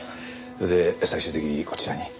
それで最終的にこちらに。